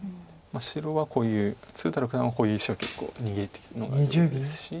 白はこういう鶴田六段はこういう石は結構逃げていくのが上手ですし。